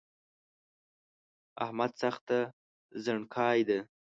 احمد سخته زڼکای ده